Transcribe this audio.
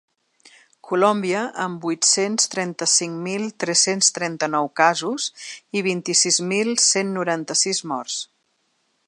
Colòmbia, amb vuit-cents trenta-cinc mil tres-cents trenta-nou casos i vint-i-sis mil cent noranta-sis morts.